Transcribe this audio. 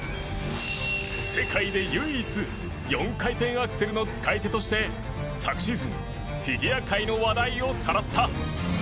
世界で唯一４回転アクセルの使い手として昨シーズンフィギュア界の話題をさらった。